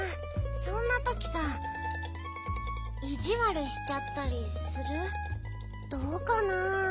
そんなときさいじわるしちゃったりする？どうかな。